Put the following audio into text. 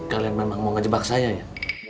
ini bukannya kalian memang mau ngejebak saya ya